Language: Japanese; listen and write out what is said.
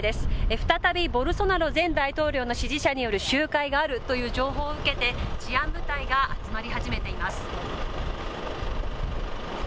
再びボルソナロ前大統領の支持者による集会があるという情報を受けて、治安部隊が集まり始めています。